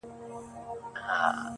دا شی په گلونو کي راونغاړه.